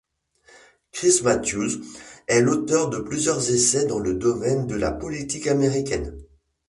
Chris Matthews est l'auteur de plusieurs essais dans le domaine de la politique américaine.